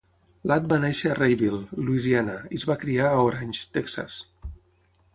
Ladd va néixer a Rayville, Luisiana i es va criar a Orange, Texas.